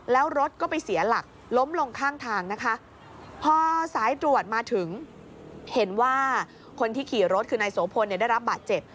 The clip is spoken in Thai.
แล้วรถก็ไปเสียหลักล้มลงข้างทางนะคะพอสายตรวจมาถึงเห็นว่าคนที่ขี่รถคือนายโสพลเนี่ยได้รับบาดเจ็บ